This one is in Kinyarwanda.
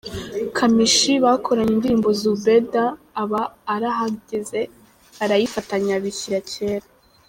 Kamichi bakoranye indirimbo Zubeda aba arahageze barayifatanya bishyira kera.